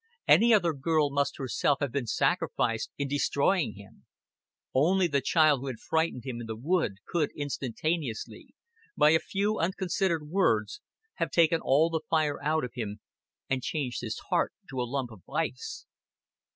Any other girl must herself have been sacrificed in destroying him; only the child who had frightened him in the wood could instantaneously, by a few unconsidered words, have taken all the fire out of him and changed his heart to a lump of ice.